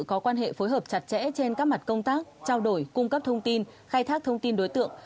có quan hệ phối hợp chặt chẽ trên các mặt công tác trao đổi cung cấp thông tin khai thác thông tin đối tượng